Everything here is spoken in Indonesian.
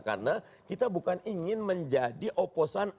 karena kita bukan ingin menjadi oposan